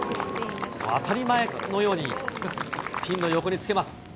当たり前のようにピンの横につけます。